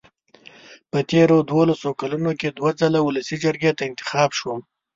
په تېرو دولسو کالو کې دوه ځله ولسي جرګې ته انتخاب شوم.